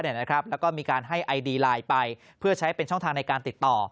แล้วก็มีการให้ไอดีไลน์ไปเพื่อใช้เป็นช่องทางในการติดต่อ